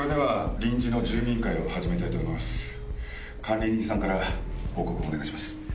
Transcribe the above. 管理人さんから報告お願いします。